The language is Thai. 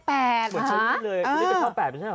เหมือนฉันนี้เลยเจฟองเบีย๘มันใช่หรอ